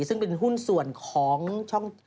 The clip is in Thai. ซึ่งเป็นหุ้นส่วนของช่อง